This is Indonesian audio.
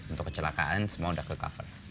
untuk kecelakaan semua sudah ke cover